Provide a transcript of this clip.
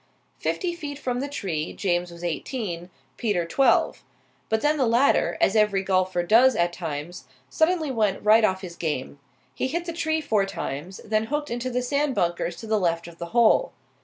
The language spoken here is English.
Fifty feet from the tree James was eighteen, Peter twelve; but then the latter, as every golfer does at times, suddenly went right off his game. He hit the tree four times, then hooked into the sand bunkers to the left of the hole.